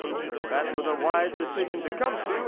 " That was a wise decision to come to.